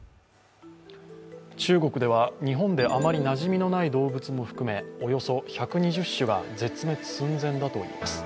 中国では日本であまりなじみのない動物も含めおよそ１２０種が絶滅寸前だといいます。